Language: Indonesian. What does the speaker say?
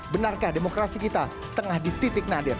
benarkah demokrasi kita tengah di titik nadir